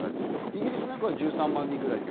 イギリスなんかは１３万人ぐらい。